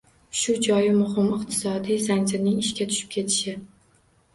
Shu joyi muhim - iqtisodiy “zanjir”ning ishga tushib ketishi.